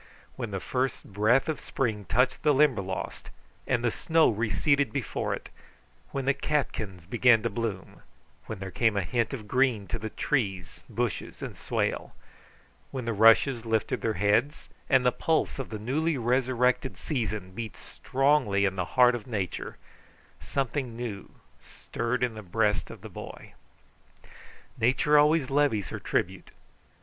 When the first breath of spring touched the Limberlost, and the snow receded before it; when the catkins began to bloom; when there came a hint of green to the trees, bushes, and swale; when the rushes lifted their heads, and the pulse of the newly resurrected season beat strongly in the heart of nature, something new stirred in the breast of the boy. Nature always levies her tribute.